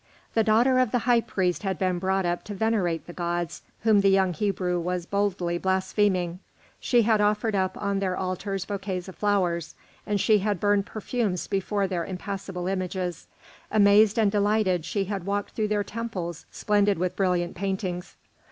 The daughter of the high priest had been brought up to venerate the gods whom the young Hebrew was boldly blaspheming; she had offered up on their altars bouquets of flowers, and she had burned perfumes before their impassible images; amazed and delighted, she had walked through their temples splendid with brilliant paintings.